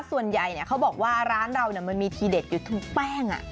ส่วนใหญ่เขาบอกว่าร้านเรามันมีทีเด็ดอยู่ทุกแป้ง